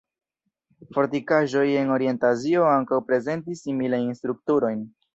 Fortikaĵoj en Orienta Azio ankaŭ prezentis similajn strukturojn.